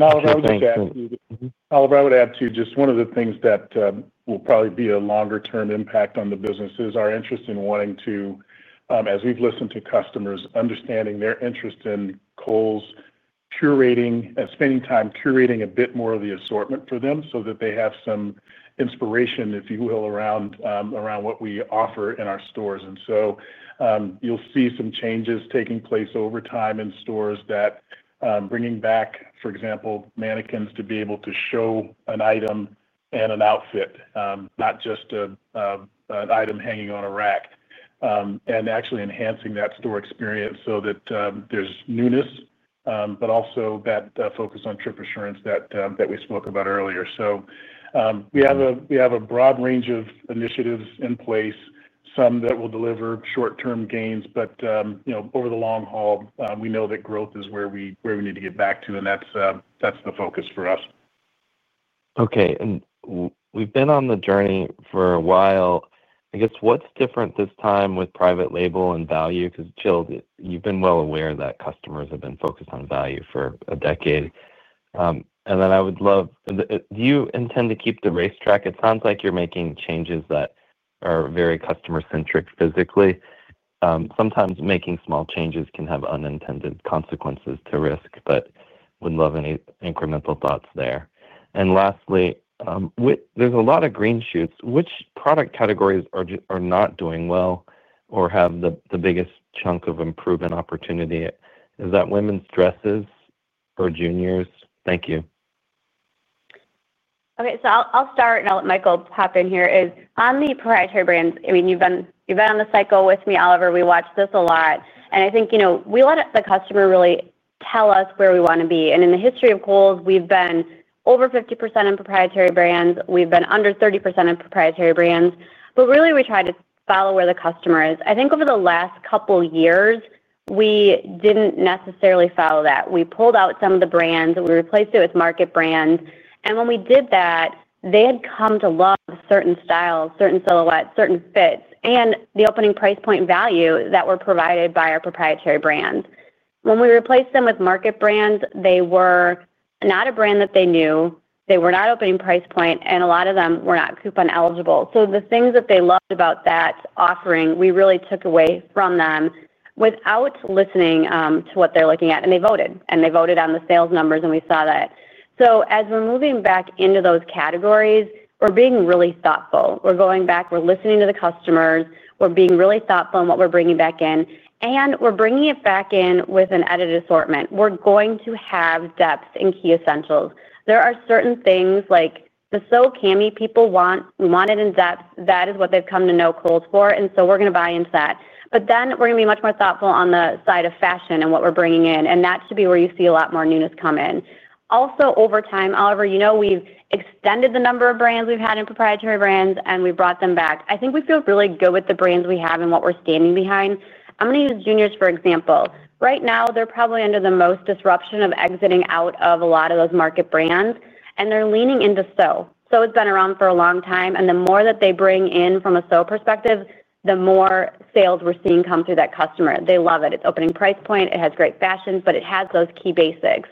Oliver, I would add to just one of the things that will probably be a longer-term impact on the business is our interest in wanting to, as we've listened to customers, understanding their interest in Kohl's curating and spending time curating a bit more of the assortment for them so that they have some inspiration, if you will, around what we offer in our stores. You'll see some changes taking place over time in stores that bring back, for example, mannequins to be able to show an item and an outfit, not just an item hanging on a rack, and actually enhancing that store experience so that there's newness, but also that focus on trip assurance that we spoke about earlier. We have a broad range of initiatives in place, some that will deliver short-term gains. Over the long haul, we know that growth is where we need to get back to. That's the focus for us. Okay. We've been on the journey for a while. I guess what's different this time with private label and value? Jill, you've been well aware that customers have been focused on value for a decade. I would love, do you intend to keep the racetrack? It sounds like you're making changes that are very customer-centric physically. Sometimes making small changes can have unintended consequences to risk, but would love any incremental thoughts there. Lastly, there's a lot of green shoots. Which product categories are not doing well or have the biggest chunk of improvement opportunity? Is that women's dresses or juniors? Thank you. Okay. I'll start and I'll let Michael pop in here. On the proprietary brands, you've been on the cycle with me, Oliver. We watch this a lot. I think we let the customer really tell us where we want to be. In the history of Kohl's, we've been over 50% in proprietary brands. We've been under 30% in proprietary brands. We try to follow where the customer is. I think over the last couple of years, we didn't necessarily follow that. We pulled out some of the brands. We replaced it with market brands. When we did that, they had come to love certain styles, certain silhouettes, certain fits, and the opening price point value that were provided by our proprietary brands. When we replaced them with market brands, they were not a brand that they knew. They were not opening price point, and a lot of them were not coupon eligible. The things that they loved about that offering, we really took away from them without listening to what they're looking at. They voted, and they voted on the sales numbers, and we saw that. As we're moving back into those categories, we're being really thoughtful. We're going back, we're listening to the customers, we're being really thoughtful in what we're bringing back in, and we're bringing it back in with an edited assortment. We're going to have depth in key essentials. There are certain things like the soul candy people wanted in depth. That is what they've come to know Kohl's for. We're going to buy into that. We're going to be much more thoughtful on the side of fashion and what we're bringing in. That should be where you see a lot more newness come in. Also, over time, Oliver, we've extended the number of brands we've had in proprietary brands, and we've brought them back. I think we feel really good with the brands we have and what we're standing behind. I'm going to use juniors for example. Right now, they're probably under the most disruption of exiting out of a lot of those market brands, and they're leaning into SO. SO has been around for a long time. The more that they bring in from a SO perspective, the more sales we're seeing come through that customer. They love it. It's opening price point. It has great fashion, but it has those key basics.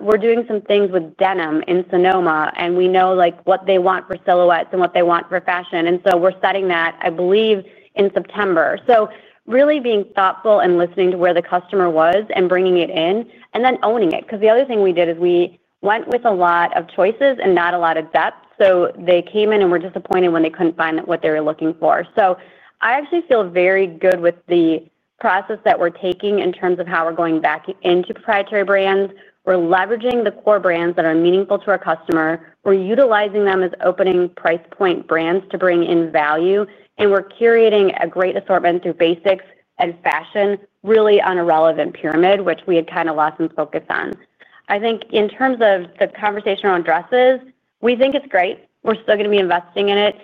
We're doing some things with denim in Sonoma, and we know what they want for silhouettes and what they want for fashion. We're setting that, I believe, in September. Really being thoughtful and listening to where the customer was and bringing it in and then owning it. The other thing we did is we went with a lot of choices and not a lot of depth. They came in and were disappointed when they couldn't find what they were looking for. I actually feel very good with the process that we're taking in terms of how we're going back into proprietary brands. We're leveraging the core brands that are meaningful to our customer. We're utilizing them as opening price point brands to bring in value, and we're curating a great assortment through basics and fashion, really on a relevant pyramid, which we had kind of lost some focus on. I think in terms of the conversation around dresses, we think it's great. We're still going to be investing in it.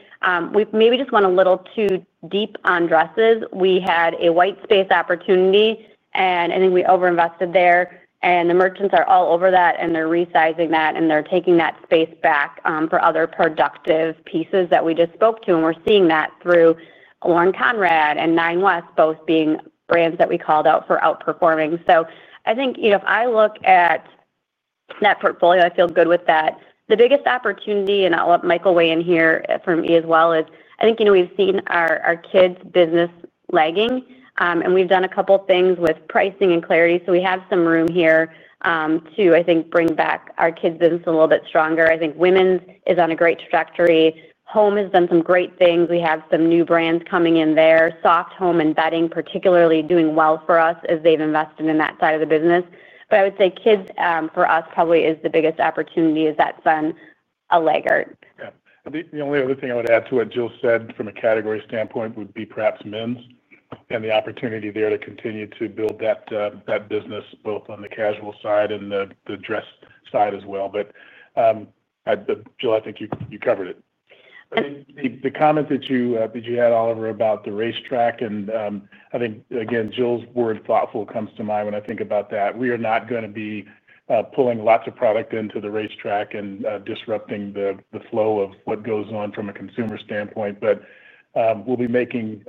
We maybe just went a little too deep on dresses. We had a white space opportunity, and I think we overinvested there. The merchants are all over that, and they're resizing that, and they're taking that space back for other productive pieces that we just spoke to. We're seeing that through Lauren Conrad and Nine West, both being brands that we called out for outperforming. If I look at that portfolio, I feel good with that. The biggest opportunity, and I'll let Michael weigh in here for me as well, is I think we've seen our kids' business lagging. We've done a couple of things with pricing and clarity. We have some room here to, I think, bring back our kids' business a little bit stronger. I think women's is on a great trajectory. Home has done some great things. We have some new brands coming in there. Soft home and bedding particularly doing well for us as they've invested in that side of the business. I would say kids' for us probably is the biggest opportunity as that's on a laggard. Yeah. The only other thing I would add to what Jill said from a category standpoint would be perhaps men's and the opportunity there to continue to build that business both on the casual side and the dress side as well. Jill, I think you covered it. The comment that you had, Oliver, about the racetrack, and I think, again, Jill's word thoughtful comes to mind when I think about that. We are not going to be pulling lots of product into the racetrack and disrupting the flow of what goes on from a consumer standpoint. We'll be making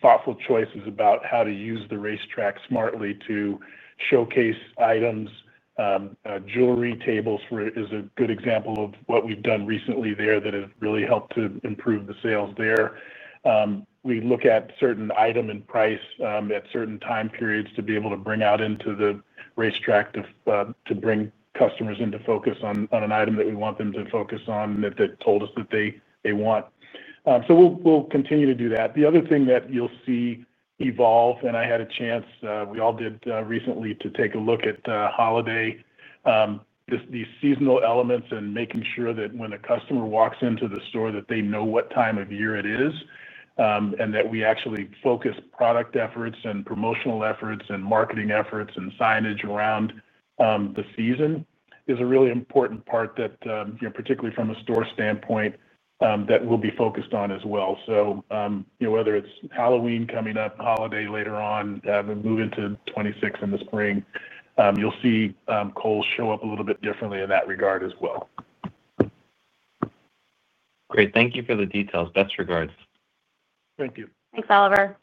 thoughtful choices about how to use the racetrack smartly to showcase items. Jewelry tables is a good example of what we've done recently there that has really helped to improve the sales there. We look at certain items and price at certain time periods to be able to bring out into the racetrack to bring customers into focus on an item that we want them to focus on that they told us that they want. We'll continue to do that. The other thing that you'll see evolve, and I had a chance, we all did recently, to take a look at holiday, these seasonal elements and making sure that when a customer walks into the store, that they know what time of year it is and that we actually focus product efforts and promotional efforts and marketing efforts and signage around the season is a really important part that, you know, particularly from a store standpoint, that we'll be focused on as well. Whether it's Halloween coming up, holiday later on, moving to 2026 in the spring, you'll see Kohl's show up a little bit differently in that regard as well. Great. Thank you for the details. Best regards. Thank you. Thanks, Oliver.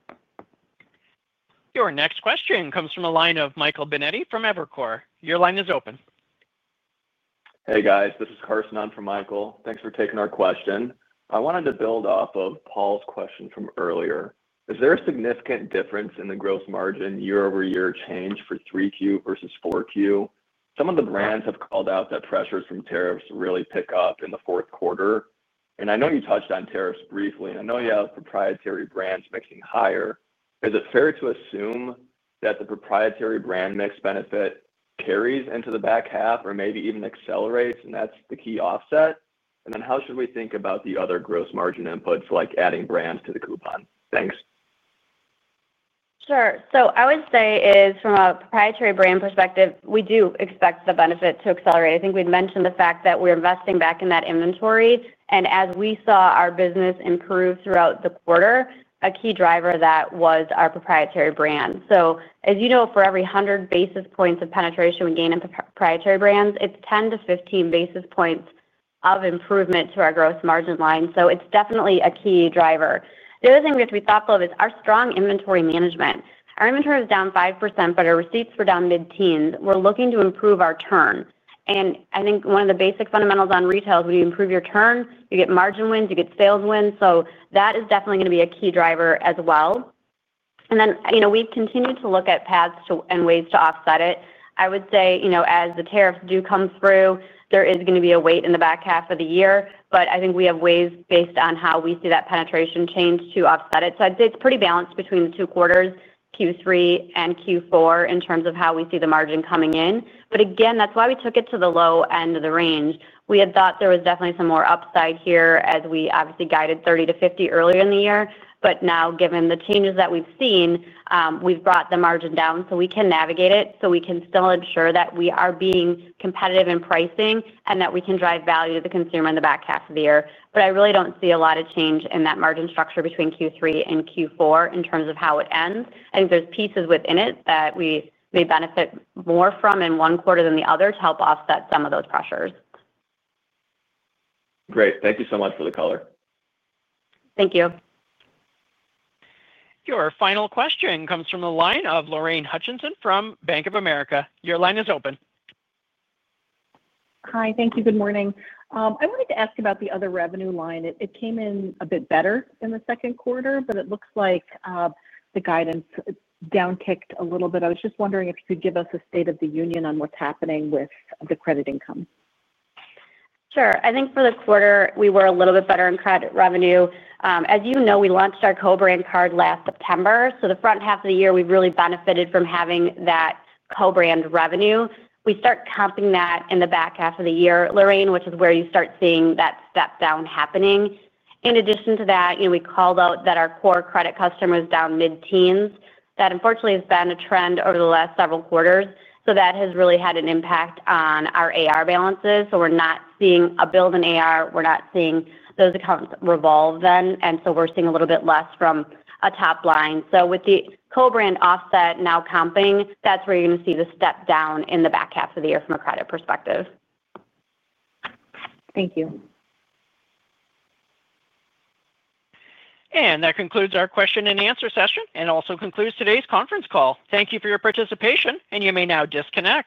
Your next question comes from a line of Michael Binetti from Evercore. Your line is open. Hey, guys. This is Carson on for Michael. Thanks for taking our question. I wanted to build off of Paul's question from earlier. Is there a significant difference in the gross margin year-over-year change for 3Q versus 4Q? Some of the brands have called out that pressures from tariffs really pick up in the fourth quarter. I know you touched on tariffs briefly, and I know you have proprietary brands mixing higher. Is it fair to assume that the proprietary brand mix benefit carries into the back half or maybe even accelerates, and that's the key offset? How should we think about the other gross margin inputs, like adding brands to the coupon? Thanks. Sure. I would say from a proprietary brand perspective, we do expect the benefit to accelerate. I think we'd mentioned the fact that we're investing back in that inventory. As we saw our business improve throughout the quarter, a key driver of that was our proprietary brand. As you know, for every 100 basis points of penetration we gain in proprietary brands, it's 10 basis points-15 basis points of improvement to our gross margin line. It's definitely a key driver. The other thing we have to be thoughtful of is our strong inventory management. Our inventory is down 5%, but our receipts were down mid-teens. We're looking to improve our turn. I think one of the basic fundamentals on retail is when you improve your turn, you get margin wins, you get sales wins. That is definitely going to be a key driver as well. We've continued to look at paths and ways to offset it. As the tariffs do come through, there is going to be a weight in the back half of the year. I think we have ways based on how we see that penetration change to offset it. I'd say it's pretty balanced between the two quarters, Q3 and Q4, in terms of how we see the margin coming in. That's why we took it to the low end of the range. We had thought there was definitely some more upside here as we obviously guided 30%-50% earlier in the year. Now, given the changes that we've seen, we've brought the margin down so we can navigate it, so we can still ensure that we are being competitive in pricing and that we can drive value to the consumer in the back half of the year. I really don't see a lot of change in that margin structure between Q3 and Q4 in terms of how it ends. I think there's pieces within it that we may benefit more from in one quarter than the other to help offset some of those pressures. Great. Thank you so much, Jill for the color. Thank you. Your final question comes from the line of Lorraine Hutchinson from Bank of America. Your line is open. Hi. Thank you. Good morning. I wanted to ask about the other revenue line. It came in a bit better in the second quarter, but it looks like the guidance downkicked a little bit. I was just wondering if you could give us a state of the union on what's happening with the credit income. Sure. I think for the quarter, we were a little bit better in credit revenue. As you know, we launched our co-brand card last September. The front half of the year, we really benefited from having that co-brand revenue. We start comping that in the back half of the year, Lorraine, which is where you start seeing that step down happening. In addition to that, we called out that our core credit customer is down mid-teens. That unfortunately has been a trend over the last several quarters. That has really had an impact on our AR balances. We're not seeing a build in AR. We're not seeing those accounts revolve then, and we're seeing a little bit less from a top line. With the co-brand offset now comping, that's where you're going to see the step down in the back half of the year from a credit perspective. Thank you. That concludes our question and answer session and also concludes today's conference call. Thank you for your participation, and you may now disconnect.